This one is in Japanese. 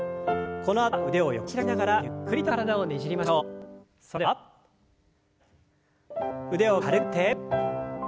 このあとは腕を横に開きながらゆっくりと体をねじりましょう。